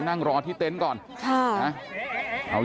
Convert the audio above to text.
อยากจะเห็นว่าลูกเป็นยังไงอยากจะเห็นว่าลูกเป็นยังไง